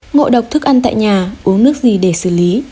ngộ độc thức ăn tại nhà uống nước gì để xử lý